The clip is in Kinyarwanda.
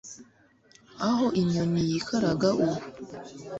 aho inyoni yikaraga ubu